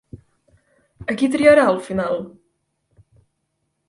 A qui triarà al final?